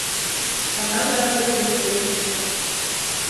А там даходы вышэйшыя.